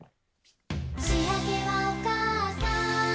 「しあげはおかあさん」